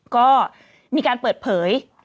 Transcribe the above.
ก็มีการเปิดเผย